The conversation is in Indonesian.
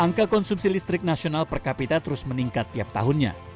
angka konsumsi listrik nasional per kapita terus meningkat tiap tahunnya